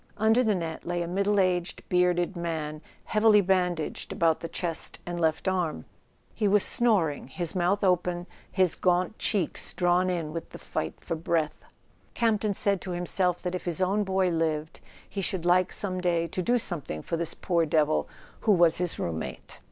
Under the net lay a middle aged bearded man, heavily bandaged about the chest and left arm: he was snoring, his mouth open, his gaunt cheeks drawn [ 278 ] A SON AT THE FRONT in with the fight for breath. Campton said to himself that if his own boy lived he should like some day to do something for this poor devil who was his room¬ mate.